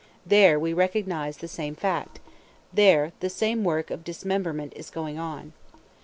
There we recognize the same fact; there the same work of dismemberment is going on.